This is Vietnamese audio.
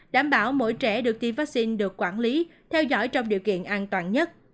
đảm bảo mỗi trẻ được tiêm vaccine được quản lý theo dõi trong điều kiện an toàn nhất